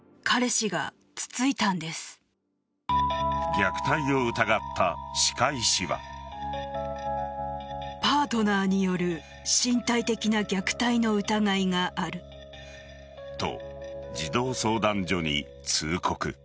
虐待を疑った歯科医師は。と、児童相談所に通告。